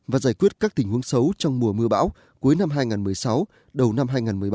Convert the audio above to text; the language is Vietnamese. và giải quyết các tình huống xấu trong mùa mưa bão cuối năm hai nghìn một mươi sáu đầu năm hai nghìn một mươi bảy